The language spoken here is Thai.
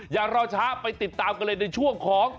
อย่ารอช้าไปติดตามกันเลยในช่วงของ